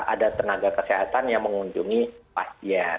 ada tenaga kesehatan yang mengunjungi pasien